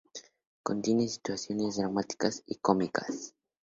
Contiene situaciones dramáticas y cómicas.